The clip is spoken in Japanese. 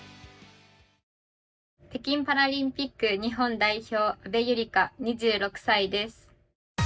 北京パラリンピック日本代表、阿部友里香２６歳です。